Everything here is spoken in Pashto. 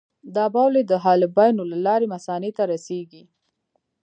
دا بولې د حالبینو له لارې مثانې ته رسېږي.